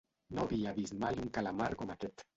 No havia vist mai un calamar com aquest.